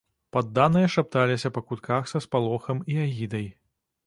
Падданыя шапталіся па кутках са спалохам і агідай.